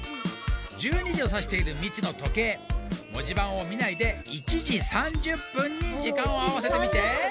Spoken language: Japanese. １２時をさしているミチのとけいもじばんをみないで１時３０分に時間をあわせてみて。